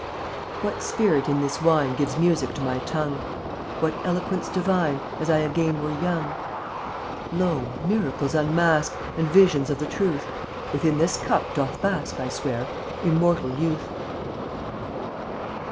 What Spirit in this wine Gives music to my tongue? What eloquence divine, As I again were young? Lo! miracles unmask And visions of the Truth; Within this cup doth bask, I swear, Immortal Youth.